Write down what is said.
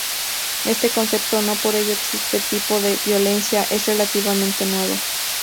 Este concepto, no por ello este tipo de violencia, es relativamente nuevo.